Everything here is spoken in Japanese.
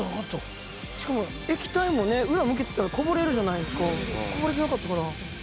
しかも液体もね裏向けてたらこぼれるじゃないですかこぼれてなかったから。